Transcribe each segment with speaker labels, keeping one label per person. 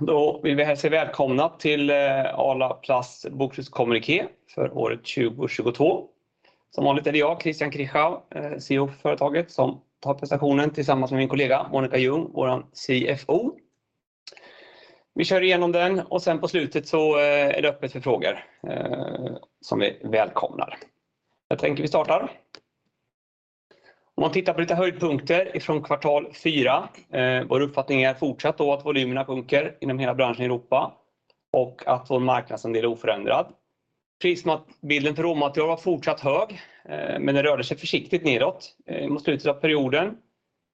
Speaker 1: Då vill vi hälsa er välkomna till Arla Plast bokslutskommuniké för året 2022. Som vanligt är det jag, Christian Krichau, CEO för företaget, som tar presentationen tillsammans med min kollega Monica Ljung, vår CFO. Vi kör igenom den och sen på slutet så är det öppet för frågor, som vi välkomnar. Jag tänker vi startar. Om man tittar på lite höjdpunkter ifrån Q4. Vår uppfattning är fortsatt då att volymerna sjunker inom hela branschen i Europa och att vår marknadsandel är oförändrad. Prisbilden för råmaterial var fortsatt hög, men det rörde sig försiktigt nedåt mot slutet av perioden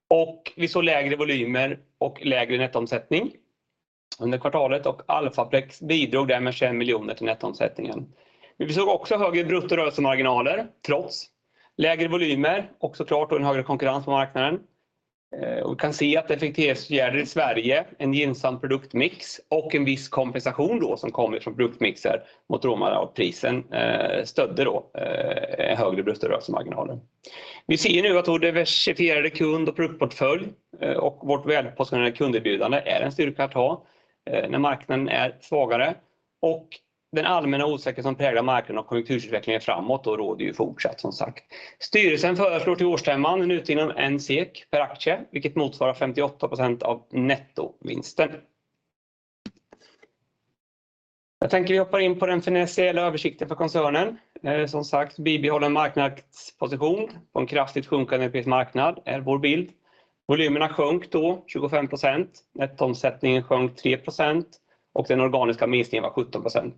Speaker 1: och vi såg lägre volymer och lägre nettoomsättning under kvartalet och Alphaplex bidrog där med 25 million till nettoomsättningen. Vi såg också högre brutto rörelsemarginaler, trots lägre volymer och så klart en högre konkurrens på marknaden. Och vi kan se att effektivitetsåtgärder i Sverige, en gynnsam produktmix och en viss kompensation då som kommer från produktmixar mot råmaterialprisen, stödde då högre brutto rörelsemarginalen. Vi ser nu att vår diversifierade kund- och produktportfölj och vårt välpositionerade kunderbjudande är en styrka att ha när marknaden är svagare och den allmänna osäkerhet som präglar marknaden och konjunkturutvecklingen framåt då råder ju fortsatt som sagt. Styrelsen föreslår till årsstämman en utdelning om 1 SEK per aktie, vilket motsvarar 58% av nettovinsten. Jag tänker vi hoppar in på den finansiella översikten för koncernen. Som sagt, bibehållen marknadsposition på en kraftigt sjunkande europeisk marknad är vår bild. Volymerna sjönk då 25%, nettoomsättningen sjönk 3% och den organiska minskningen var 17%.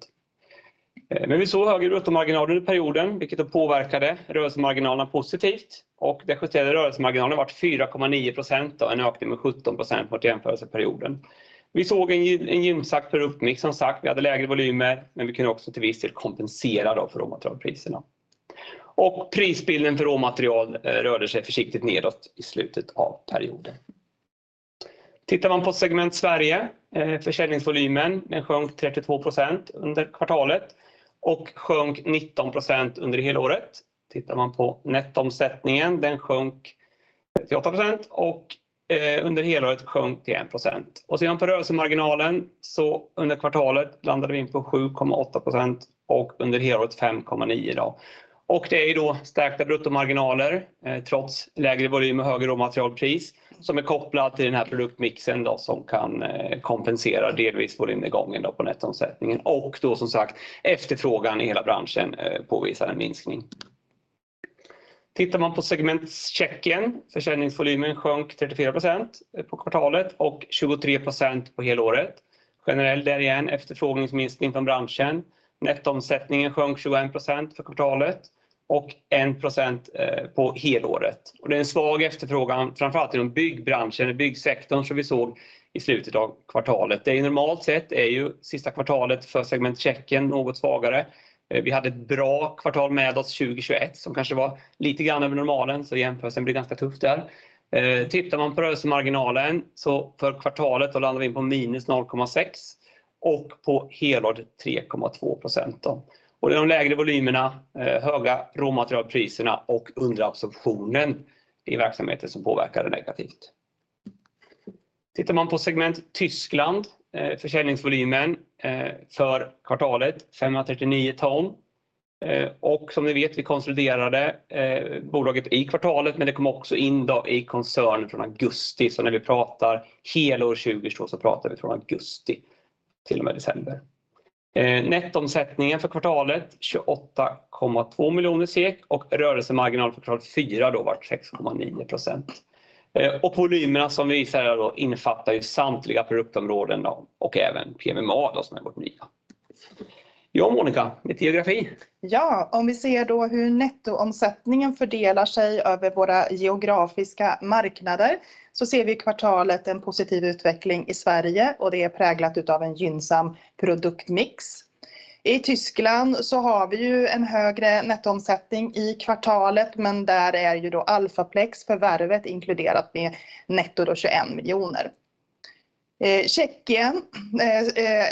Speaker 1: Vi såg högre bruttomarginal under perioden, vilket då påverkade rörelsemarginalen positivt och den justerade rörelsemarginalen var 4.9%, en ökning med 17% mot jämförelseperioden. Vi såg en gynnsam produktmix som sagt. Vi hade lägre volymer, men vi kunde också till viss del kompensera då för råmaterialpriserna. Prisbilden för råmaterial rörde sig försiktigt nedåt i slutet av perioden. Tittar man på segment Sverige, försäljningsvolymen, den sjönk 32% under kvartalet och sjönk 19% under helåret. Tittar man på nettoomsättningen, den sjönk 38% och under helåret sjönk till 1%. Sedan på rörelsemarginalen så under kvartalet landade vi in på 7.8% och under helåret 5.9% då. Det är ju då stärkta bruttomarginaler trots lägre volym och högre råmaterialpris som är kopplat till den här produktmixen då som kan kompensera delvis volymnedgången då på nettoomsättningen. Efterfrågan i hela branschen påvisar en minskning. Tittar man på segment Czechia, försäljningsvolymen sjönk 34% på kvartalet och 23% på helåret. Generellt där igen, efterfrågeminskning från branschen. Nettoomsättningen sjönk 21% för kvartalet och 1% på helåret. Det är en svag efterfrågan, framför allt inom byggbranschen, i byggsektorn som vi såg i slutet av kvartalet. Normalt sett är ju sista kvartalet för segment Czechia något svagare. Vi hade ett bra kvartal med oss 2021 som kanske var lite grann över normalen, så jämförelsen blir ganska tuff där. Tittar man på rörelsemarginalen så för kvartalet då landar vi in på minus 0.6% och på helåret 3.2% då. Det är de lägre volymerna, höga råmaterialpriserna och underabsorptionen i verksamheten som påverkar det negativt. Tittar man på segment Germany, försäljningsvolymen för kvartalet, 539 tons. Som ni vet, vi konsoliderade bolaget i kvartalet, men det kom också in då i koncernen från augusti. När vi pratar helår 2022 så pratar vi från augusti till och med december. Nettoomsättningen för kvartalet, 28.2 miljoner SEK och rörelsemarginal för kvartal fyra då var 6.9%. Volymerna som vi ser här då innefattar ju samtliga produktområden då och även PMMA då som är vårt nya. Ja, Monica, med geografi.
Speaker 2: Om vi ser då hur nettoomsättningen fördelar sig över våra geografiska marknader så ser vi i kvartalet en positiv utveckling i Sverige och det är präglat utav en gynnsam produktmix. I Tyskland har vi ju en högre nettoomsättning i kvartalet, men där är ju då Alphaplex förvärvet inkluderat med netto då 21 million. Tjeckien,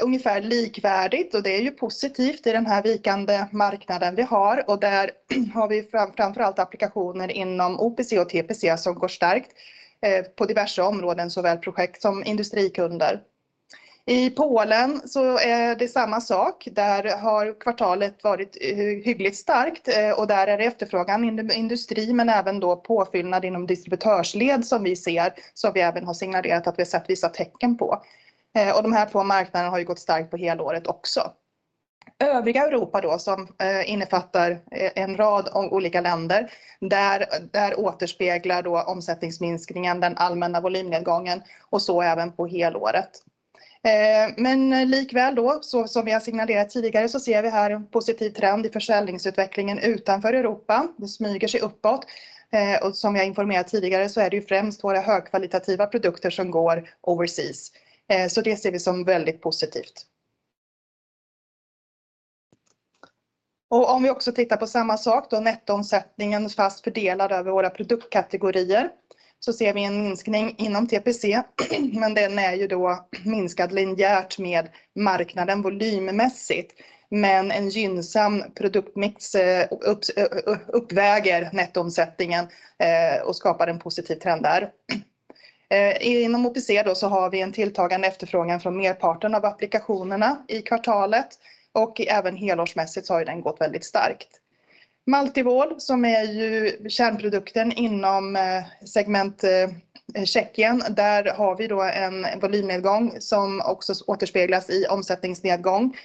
Speaker 2: ungefär likvärdigt och det är ju positivt i den här vikande marknaden vi har. Där har vi framför allt applikationer inom OPC och TPC som går starkt på diverse områden, såväl projekt som industrikunder. I Polen är det samma sak. Där har kvartalet varit hyggligt starkt, och där är det efterfrågan inom industri, men även då påfyllnad inom distributörsled som vi ser, som vi även har signalerat att vi har sett vissa tecken på. De här två marknaderna har ju gått starkt på helåret också. Övriga Europa då som innefattar en rad olika länder. Där återspeglar då omsättningsminskningen den allmänna volymnedgången och så även på helåret. Men likväl då, så som vi har signalerat tidigare, så ser vi här en positiv trend i försäljningsutvecklingen utanför Europa. Det smyger sig uppåt. Som jag informerat tidigare så är det ju främst våra högkvalitativa produkter som går overseas. Det ser vi som väldigt positivt. Om vi också tittar på samma sak, då nettoomsättningen fast fördelad över våra produktkategorier, så ser vi en minskning inom TPC, men den är ju då minskad linjärt med marknaden volymmässigt. En gynnsam produktmix uppväger nettoomsättningen och skapar en positiv trend där. Inom OPC då så har vi en tilltagande efterfrågan från merparten av applikationerna i kvartalet och även helårsmässigt så har ju den gått väldigt starkt. MULTICLEAR som är ju kärnprodukten inom segment Tjeckien. Där har vi då en volymnedgång som också återspeglas i omsättningsnedgång.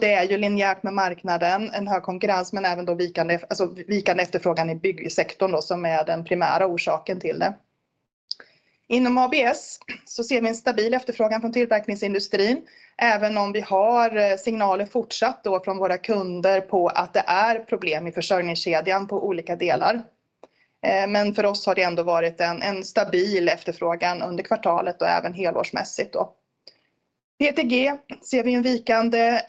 Speaker 2: Det är ju linjärt med marknaden, en hög konkurrens, men även då vikande efterfrågan i byggsektorn då som är den primära orsaken till det. Inom ABS så ser vi en stabil efterfrågan från tillverkningsindustrin, även om vi har signalen fortsatt då från våra kunder på att det är problem i försörjningskedjan på olika delar. För oss har det ändå varit en stabil efterfrågan under kvartalet och även helårsmässigt då. PETG ser vi en vikande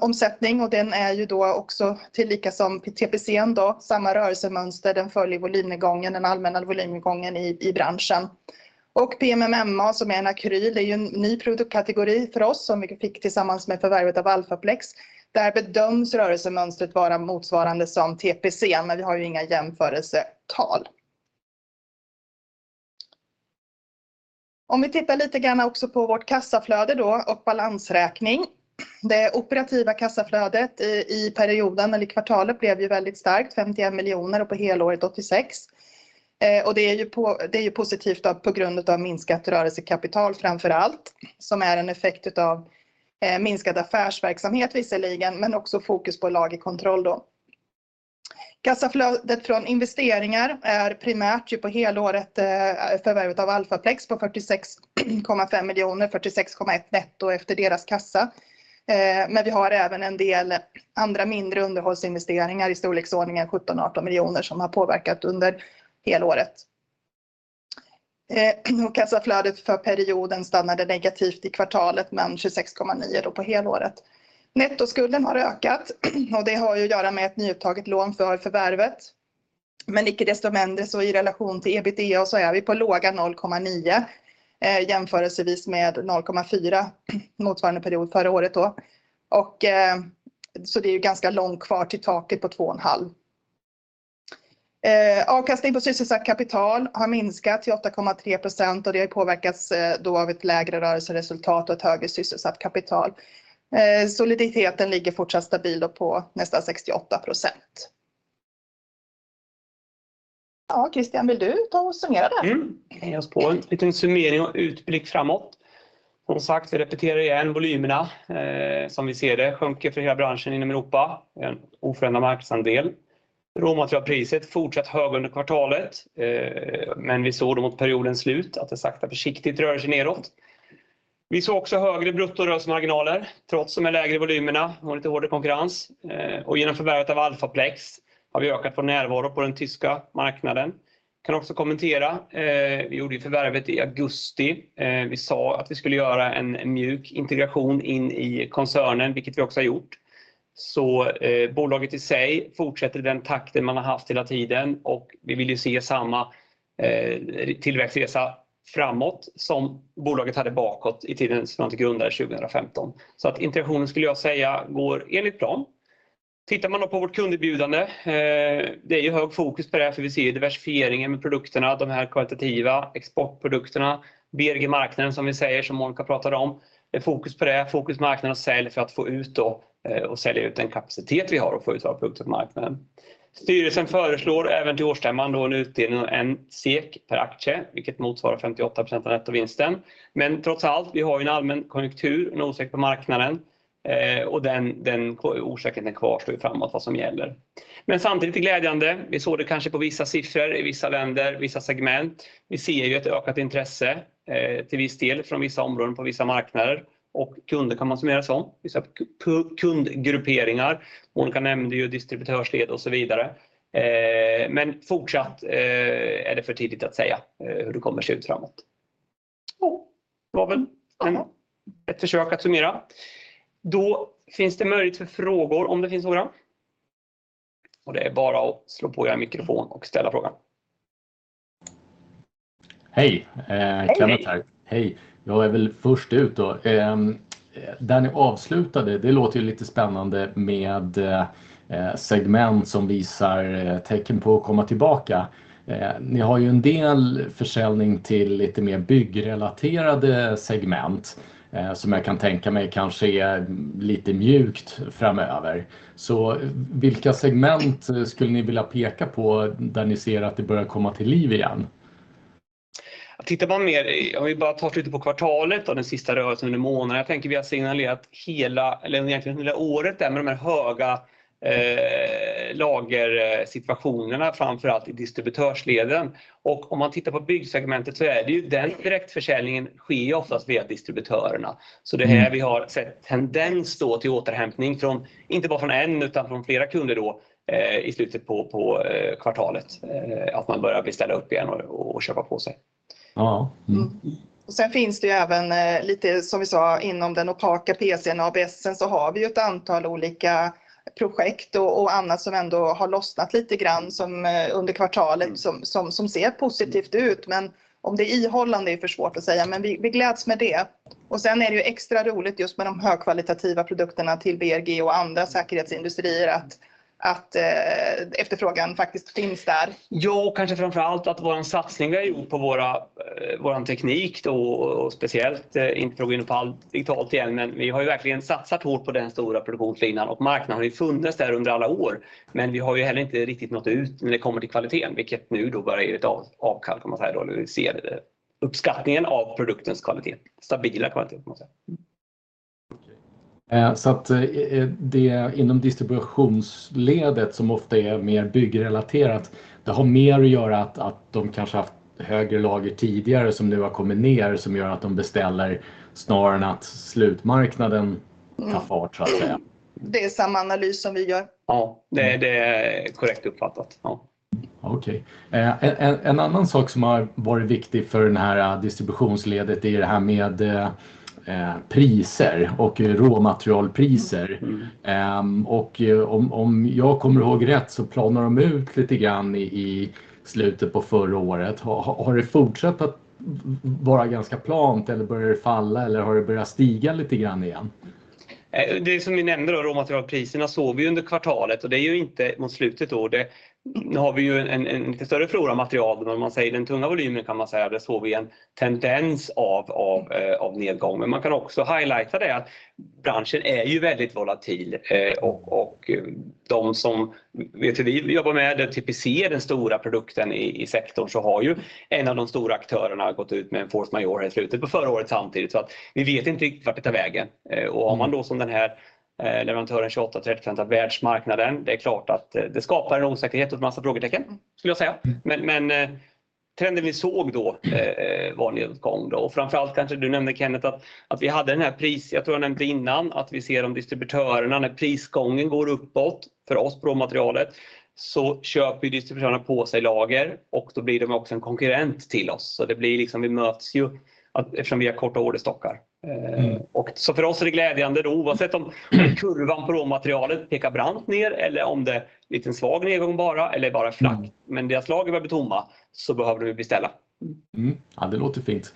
Speaker 2: omsättning och den är ju då också tillika som TPC en då, samma rörelsemönster. Den följer volymnedgången, den allmänna volymnedgången i branschen. PMMA som är en akryl är ju en ny produktkategori för oss som vi fick tillsammans med förvärvet av Alphaplex. Där bedöms rörelsemönstret vara motsvarande som TPC, men vi har ju inga jämförelsetal. Om vi tittar lite grann också på vårt kassaflöde då och balansräkning. Det operativa kassaflödet i perioden eller i kvartalet blev ju väldigt starkt, 51 million och på helåret 86 million. Det är ju på, det är ju positivt då på grund utav minskat rörelsekapital framför allt, som är en effekt utav minskad affärsverksamhet visserligen, men också fokus på lagerkontroll då. Kassaflödet från investeringar är primärt ju på helåret förvärvet av Alphaplex på 46.5 million, 46.1 million netto efter deras kassa. Vi har även en del andra mindre underhållsinvesteringar i storleksordningen 17 million-18 million som har påverkat under helåret. Kassaflödet för perioden stannade negativt i kvartalet, 26.9 million då på helåret. Nettoskulden har ökat och det har ju att göra med ett nyuttaget lån för förvärvet. Icke desto mindre så i relation till EBITDA så är vi på låga 0.9, jämförelsevis med 0.4 motsvarande period förra året då. Det är ju ganska långt kvar till taket på 2.5. Avkastning på sysselsatt kapital har minskat till 8.3% och det har påverkats då av ett lägre rörelseresultat och ett högre sysselsatt kapital. Soliditeten ligger fortsatt stabil då på nästan 68%. Christian, vill du ta och summera det?
Speaker 1: Hängas på. En liten summering och utblick framåt. Jag repeterar igen volymerna. Som vi ser det sjunker för hela branschen inom Europe. En oförändrad marknadsandel. Råmaterialpriset fortsatt hög under kvartalet. Men vi såg då mot periodens slut att det sakta försiktigt rör sig nedåt. Vi såg också högre bruttorörelsemarginaler, trots de här lägre volymerna och en lite hårdare konkurrens. Och genom förvärvet av Alphaplex har vi ökat på närvaro på den German marknaden. Kan också kommentera, vi gjorde ju förvärvet i augusti. Vi sa att vi skulle göra en mjuk integration in i koncernen, vilket vi också har gjort. Bolaget i sig fortsätter den takten man har haft hela tiden och vi vill ju se samma tillväxtresa framåt som bolaget hade bakåt i tiden sedan vi grundade 2015. Att integrationen skulle jag säga går enligt plan. Tittar man då på vårt kunderbjudande, det är ju hög fokus på det för vi ser diversifieringen med produkterna, de här kvalitativa exportprodukterna, BRG-marknaden som vi säger, som Monica pratade om. Det är fokus på det, fokus marknad och sälj för att få ut då och sälja ut den kapacitet vi har och få ut våra produkter på marknaden. Styrelsen föreslår även till årsstämman då en utdelning om 1 SEK per aktie, vilket motsvarar 58% av nettovinsten. Trots allt, vi har ju en allmän konjunktur, en osäkerhet på marknaden och den osäkerheten är kvar så är det framåt vad som gäller. Samtidigt är glädjande. Vi såg det kanske på vissa siffror i vissa länder, vissa segment. Vi ser ju ett ökat intresse till viss del från vissa områden på vissa marknader. Kunder kan man summera som, vissa kundgrupperingar. Monica nämnde ju distributörsled och så vidare. Fortsatt är det för tidigt att säga hur det kommer att se ut framåt. Det var väl ett försök att summera. Finns det möjlighet för frågor om det finns några. Det är bara att slå på er mikrofon och ställa frågan.
Speaker 2: Hej, Kenneth här. Hej, jag är väl först ut då. Där ni avslutade, det låter ju lite spännande med segment som visar tecken på att komma tillbaka. Ni har ju en del försäljning till lite mer byggrelaterade segment som jag kan tänka mig kanske är lite mjukt framöver. Vilka segment skulle ni vilja peka på där ni ser att det börjar komma till liv igen?
Speaker 1: Tittar man mer, om vi bara tar slutet på kvartalet och den sista rörelsen under månaden. Jag tänker vi har signalerat hela, eller egentligen hela året där med de här höga lagersituationerna, framför allt i distributörsleden. Om man tittar på byggsegmentet så är det ju den direktförsäljningen sker oftast via distributörerna. Det är här vi har sett tendens då till återhämtning från, inte bara från en, utan från flera kunder då i slutet på kvartalet, att man börjar beställa upp igen och köpa på sig.
Speaker 2: Ja.
Speaker 1: Sen finns det ju även lite som vi sa inom den opaka PC:n och ABS:en så har vi ett antal olika projekt och annat som ändå har lossnat lite grann som under kvartalet som ser positivt ut. Om det är ihållande är för svårt att säga. Vi gläds med det.
Speaker 2: Sen är det ju extra roligt just med de högkvalitativa produkterna till BRG och andra säkerhetsindustrier att efterfrågan faktiskt finns där.
Speaker 1: Kanske framför allt att vår satsning vi har gjort på våra, våran teknik då och speciellt inte för att gå in på allt digitalt igen. Vi har verkligen satsat hårt på den stora produktlinan och marknaden har ju funnits där under alla år. Vi har ju heller inte riktigt nått ut när det kommer till kvaliteten, vilket nu då börjar ge ett avkastning kan man säga då. Vi ser uppskattningen av produktens kvalitet, stabila kvalitet kan man säga.
Speaker 3: Det inom distributionsledet som ofta är mer byggrelaterat. Det har mer att göra att de kanske haft högre lager tidigare som nu har kommit ner, som gör att de beställer snarare än att slutmarknaden tar fart så att säga.
Speaker 2: Det är samma analys som vi gör.
Speaker 1: Ja, det är korrekt uppfattat, ja.
Speaker 3: Okej, en annan sak som har varit viktig för det här distributionsledet är det här med priser och råmaterialpriser. Om jag kommer ihåg rätt så planar de ut lite grann i slutet på förra året. Har det fortsatt att vara ganska plant eller börjar det falla eller har det börjat stiga lite grann igen?
Speaker 1: Det som vi nämnde då, råmaterialpriserna såg vi under kvartalet och det är ju inte mot slutet då. Det har vi ju en större flora material. När man säger den tunga volymen kan man säga. Det såg vi en tendens av nedgång. Man kan också highlighta det att branschen är ju väldigt volatil och de som vi jobbar med, TPC, den stora produkten i sektorn, så har ju en av de stora aktörerna gått ut med en force majeure i slutet på förra året samtidigt. Vi vet inte riktigt vart det tar vägen. Har man då som den här leverantören 28%, 35% av världsmarknaden, det är klart att det skapar en osäkerhet och en massa frågetecken skulle jag säga. Trenden vi såg då var nedgång. Framför allt kanske du nämnde Kenneth att vi hade den här pris. Jag tror jag nämnde innan att vi ser om distributörerna när prisgången går uppåt för oss på råmaterialet, köper distributörerna på sig lager och då blir de också en konkurrent till oss. Det blir liksom, vi möts ju eftersom vi har korta orderstockar. För oss är det glädjande då, oavsett om kurvan på råmaterialet pekar brant ner eller om det är en liten svag nedgång bara eller bara flackt. Men deras lager behöver bli tomma så behöver vi beställa.
Speaker 3: Mm. Ja, det låter fint.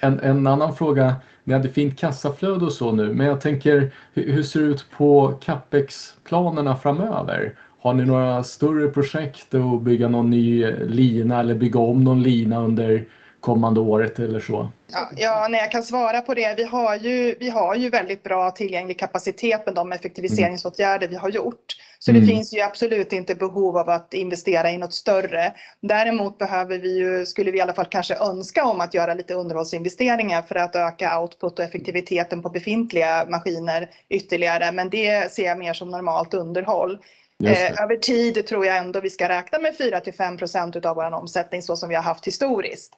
Speaker 3: En annan fråga. Ni hade fint kassaflöde och så nu, men jag tänker hur ser det ut på CapEx planerna framöver? Har ni några större projekt att bygga någon ny lina eller bygga om någon lina under kommande året eller så?
Speaker 2: Nej, jag kan svara på det. Vi har ju, vi har ju väldigt bra tillgänglig kapacitet med de effektiviseringsåtgärder vi har gjort. Det finns ju absolut inte behov av att investera i något större. Däremot behöver vi ju, skulle vi i alla fall kanske önska om att göra lite underhållsinvesteringar för att öka output och effektiviteten på befintliga maskiner ytterligare. Det ser jag mer som normalt underhåll. Över tid tror jag ändå vi ska räkna med 4%-5% utav vår omsättning så som vi har haft historiskt.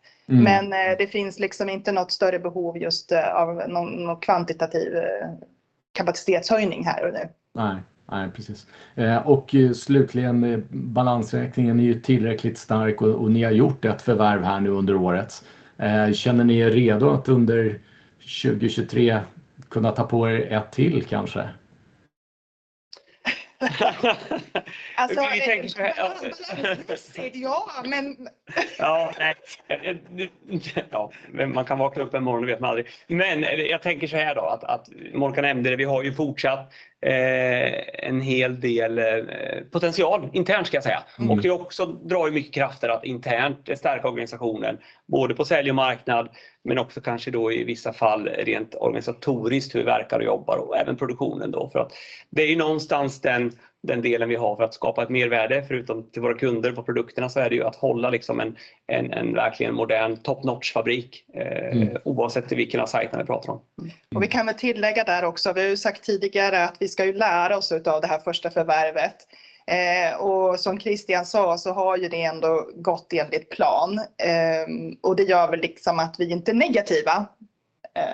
Speaker 2: Det finns liksom inte något större behov just av någon kvantitativ kapacitetshöjning här och nu.
Speaker 3: Nej, nej, precis. Slutligen, balansräkningen är ju tillräckligt stark och ni har gjort 1 förvärv här nu under året. Känner ni er redo att under 2023 kunna ta på er 1 till kanske?
Speaker 1: Jag tänker såhär.
Speaker 2: Säger ja, men...
Speaker 1: Ja, nej, ja, man kan vakna upp en morgon, det vet man aldrig. Jag tänker såhär då att Monica nämnde det. Vi har ju fortsatt en hel del potential internt ska jag säga. Det också drar ju mycket krafter att internt stärka organisationen, både på sälj och marknad, men också kanske då i vissa fall rent organisatoriskt hur vi verkar och jobbar och även produktionen då. Det är ju någonstans den delen vi har för att skapa ett mervärde. Förutom till våra kunder på produkterna så är det ju att hålla liksom en verkligen modern top-notch fabrik, oavsett vilken av sajterna vi pratar om.
Speaker 2: Vi kan väl tillägga där också. Vi har ju sagt tidigare att vi ska ju lära oss utav det här första förvärvet. Som Christian sa så har ju det ändå gått enligt plan. Det gör väl liksom att vi inte är negativa.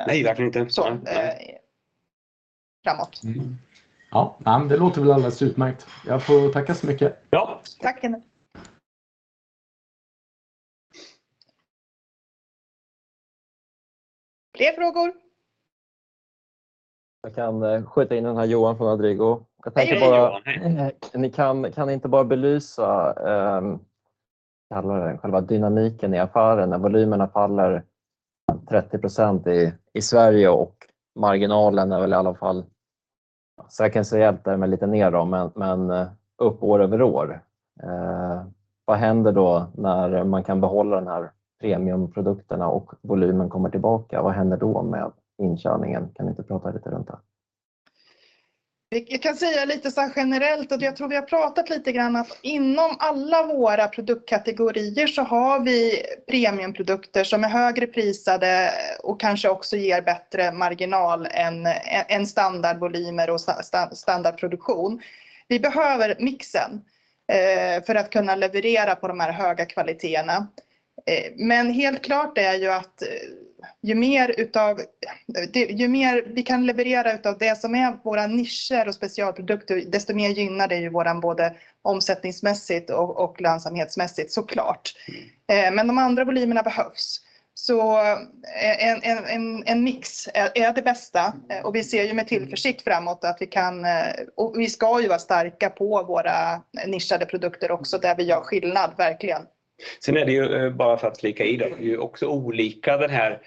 Speaker 1: Nej, verkligen inte.
Speaker 2: Framåt.
Speaker 3: Ja, det låter väl alldeles utmärkt. Jag får tacka så mycket.
Speaker 1: Ja.
Speaker 2: Tack, Kenneth. Fler frågor?
Speaker 4: Jag kan skjuta in den här Johan från Adrigo. Jag tänkte bara, ni kan inte bara belysa, vad kallar du den, själva dynamiken i affären när volymerna faller 30% i Sverige och marginalen är väl i alla fall säkert så hjälper jag mig lite ner då, men upp år över år. Vad händer då när man kan behålla de här premiumprodukterna och volymen kommer tillbaka? Vad händer då med intjäningen? Kan ni inte prata lite runt det?
Speaker 2: Jag kan säga lite såhär generellt och jag tror vi har pratat lite grann att inom alla våra produktkategorier så har vi premiumprodukter som är högre prisade och kanske också ger bättre marginal än standardvolymer och standardproduktion. Vi behöver mixen för att kunna leverera på de här höga kvaliteterna. Helt klart är ju att ju mer vi kan leverera utav det som är våra nischer och specialprodukter, desto mer gynnar det ju vår både omsättningsmässigt och lönsamhetsmässigt så klart. De andra volymerna behövs. En mix är det bästa och vi ser ju med tillförsikt framåt att vi kan. Vi ska ju vara starka på våra nischade produkter också, där vi gör skillnad verkligen.
Speaker 1: Är det ju, bara för att flika i då, det är ju också olika den här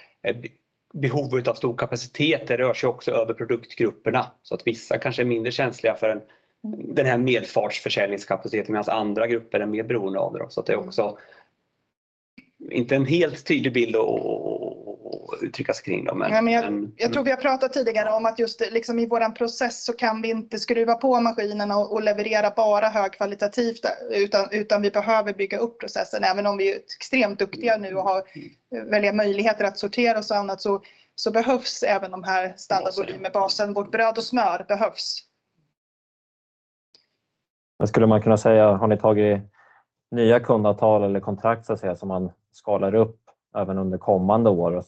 Speaker 1: behovet av stor kapacitet. Det rör sig också över produktgrupperna. Vissa kanske är mindre känsliga för den här medfartsförsäljningskapaciteten medans andra grupper är mer beroende av det. Det är också inte en helt tydlig bild att uttrycka sig kring då men.
Speaker 2: Jag tror vi har pratat tidigare om att just liksom i vår process så kan vi inte skruva på maskinerna och leverera bara högkvalitativt, utan vi behöver bygga upp processen. Även om vi är extremt duktiga nu och har väldigt möjligheter att sortera och så annat så behövs även de här standardvolymbasen. Vårt bröd och smör behövs.
Speaker 4: Skulle man kunna säga, har ni tagit nya kundavtal eller kontrakt så att säga som man skalar upp även under kommande år?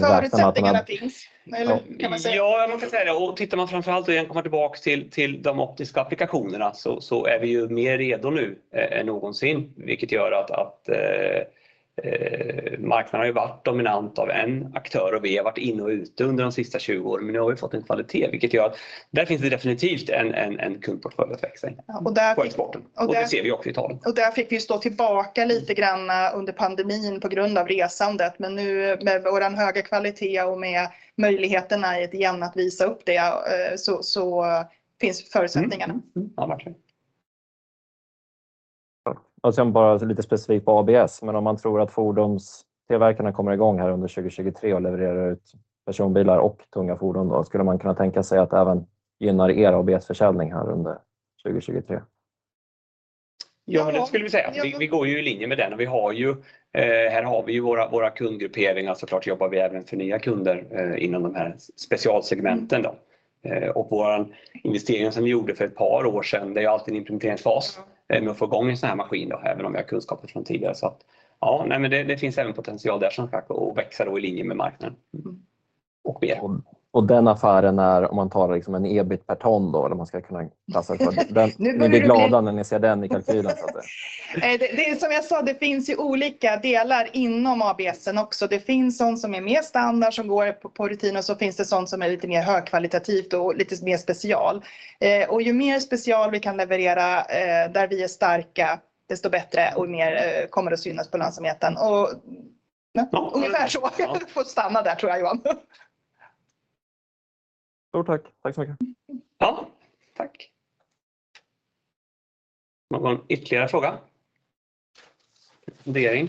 Speaker 2: Förutsättningarna finns. Eller kan man säga?
Speaker 1: Ja, man kan säga det. Tittar man framför allt och igen kommer tillbaka till de optiska applikationerna så är vi ju mer redo nu än någonsin, vilket gör att marknaden har ju varit dominant av en aktör och vi har varit inne och ute under de sista 20 år, men nu har vi fått en kvalitet, vilket gör att där finns det definitivt en kundportfölj att växa i på exporten. Det ser vi också i talen.
Speaker 2: Där fick vi stå tillbaka lite grann under pandemin på grund av resandet. Nu med vår höga kvalitet och med möjligheterna i det igen att visa upp det, så finns förutsättningarna.
Speaker 1: Ja, absolut.
Speaker 4: Bara lite specifik på ABS. Om man tror att fordonstillverkarna kommer i gång här under 2023 och levererar ut personbilar och tunga fordon, då skulle man kunna tänka sig att det även gynnar er ABS-försäljning här under 2023?
Speaker 1: Ja, det skulle vi säga. Vi går ju i linje med den och här har vi ju våra kundgrupperingar. Klart jobbar vi även för nya kunder inom de här specialsegmenten då. Vår investering som vi gjorde för ett par år sedan, det är alltid en implementeringsfas med att få i gång en sådan här maskin då, även om vi har kunskaper från tidigare. Ja, nej men det finns även potential där så klart att växa då i linje med marknaden. Mer.
Speaker 4: Den affären är, om man talar en EBIT per ton då, eller om man ska kunna passa på. Ni blir glada när ni ser den i kalkylen.
Speaker 2: Som jag sa, det finns ju olika delar inom ABS också. Det finns sådant som är mer standard som går på rutin och så finns det sådant som är lite mer högkvalitativt och lite mer special. Ju mer special vi kan leverera där vi är starka, desto bättre och mer kommer det att synas på lönsamheten. Ungefär så. Du får stanna där tror jag, Johan.
Speaker 4: Stort tack. Tack så mycket.
Speaker 1: Ja.
Speaker 2: Tack.
Speaker 1: Någon ytterligare fråga? Fundering?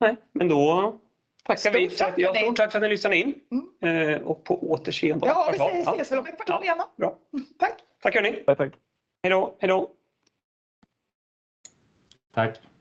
Speaker 1: Nej. Tackar vi jag tror. Tack för att ni lyssnade in och på återseende.
Speaker 2: Ja, vi ses då. Tack gärna.
Speaker 1: Bra.
Speaker 2: Tack.
Speaker 1: Tack hörni. Hejdå. Hejdå.
Speaker 4: Tack.